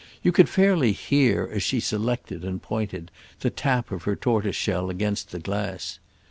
You could fairly hear, as she selected and pointed, the tap of her tortoise shell against the glass.